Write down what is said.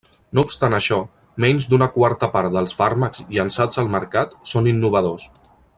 No obstant això, menys d'una quarta part dels fàrmacs llançats al mercat són innovadors.